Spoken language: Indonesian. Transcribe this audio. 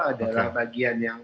adalah bagian yang